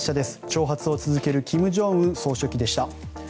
挑発を続ける金正恩総書記でした。